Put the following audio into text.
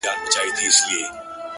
• ټول عمر ښېرا کوه دا مه وايه ـ